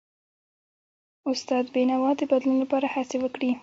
استاد بینوا د بدلون لپاره هڅې وکړي.